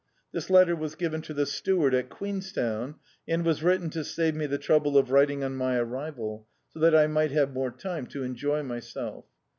This letter was ^ven to the steward at Queenstown, and was written to save me the trouble of writing on my arrival, so that I mi^t have more time to enjoy myself.